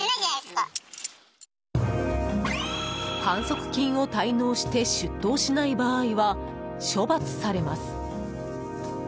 反則金を滞納して出頭しない場合は処罰されます。